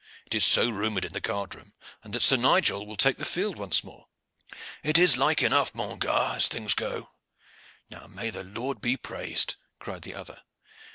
It is so rumored in the guard room, and that Sir Nigel will take the field once more." "It is like enough, mon gar., as things go." "Now may the Lord be praised!" cried the other.